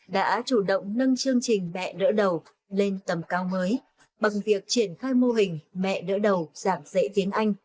đã chủ động nâng chương trình mẹ đỡ đầu lên tầm cao mới bằng việc triển khai mô hình mẹ đỡ đầu giảng dạy tiếng anh